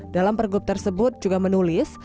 dalam pergub tersebut juga menulis